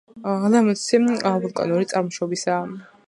ლემნოსი ვულკანური წარმოშობისაა.